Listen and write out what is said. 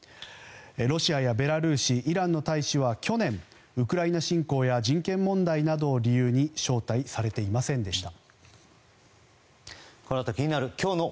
ロシアやベラルーシイランの大使は去年ウクライナ侵攻や人権問題などを理由に招待されていませんでした。